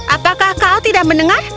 apakah kau tidak mendengar